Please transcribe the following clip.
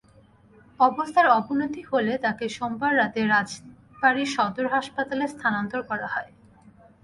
অবস্থার অবনতি হলে তাকে সোমবার রাতে রাজবাড়ী সদর হাসপাতালে স্থানান্তর করা হয়।